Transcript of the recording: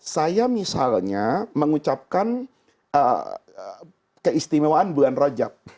saya misalnya mengucapkan keistimewaan bulan rajab